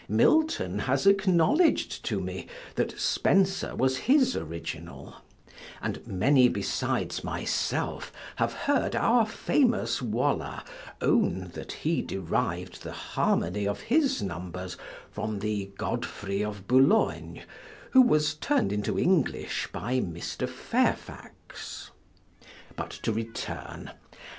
Milton has acknowledg'd to me that Spenser was his original, and many besides myself have heard our famous Waller own that he deriv'd the harmony of his numbers from the Godfrey of Bulloign, which was turned into English by Mr. Fairfax. But to return.